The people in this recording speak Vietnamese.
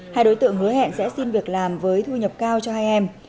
hai đối tượng hứa hẹn sẽ xin việc làm với thu nhập cao cho hai em